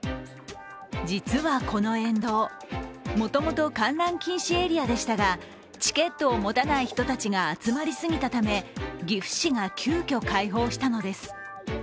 実はこの沿道、もともと観覧禁止エリアでしたがチケットを持たない人たちが集まりすぎたため、岐阜市が急きょ、開放したのです。